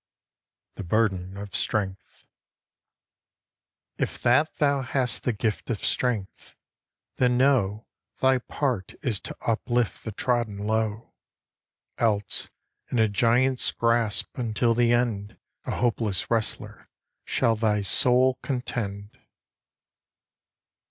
THE BURDEN OF STRENGTH IF that thou hast the gift of strength, then know Thy part is to uplift the trodden low; Else in a giant's grasp until the end A hopeless wrestler shall thy soul contend.